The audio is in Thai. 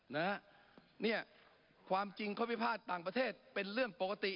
นะฮะเนี่ยความจริงข้อพิพาทต่างประเทศเป็นเรื่องปกติ